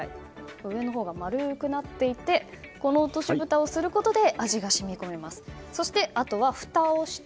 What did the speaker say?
上のほうが丸くなっていてこの落としぶたをすることで味が染み込みます。